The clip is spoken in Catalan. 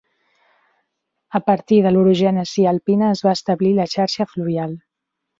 A partir de l'orogènesi alpina es va establir la xarxa fluvial.